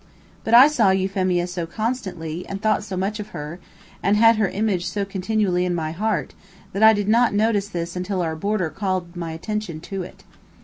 But I saw Euphemia so constantly, and thought so much of her, and had her image so continually in my heart, that I did not notice this until our boarder now called my attention to it.